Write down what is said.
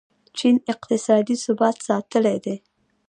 چین اقتصادي ثبات ساتلی دی.